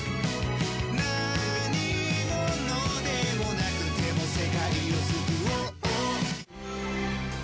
「何者でもなくても世界を救おう」